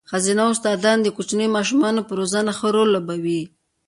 ښځينه استاداني د کوچنيو ماشومانو په روزنه ښه رول لوبوي.